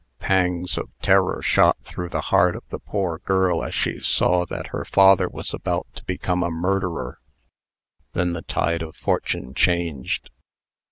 Pangs of terror shot through the heart of the poor girl as she saw that her father was about to become a murderer. Then the tide of fortune changed.